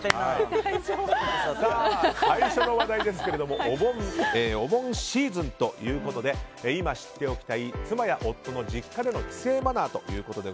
最初の話題ですがお盆シーズンということで今、知っておきたい妻や夫の実家での帰省マナーです。